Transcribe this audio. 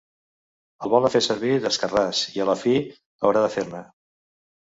El volen fer servir d'escarràs i a la fi haurà de fer-ne.